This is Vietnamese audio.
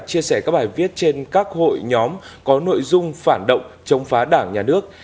chia sẻ các bài viết trên các hội nhóm có nội dung phản động chống phá đảng nhà nước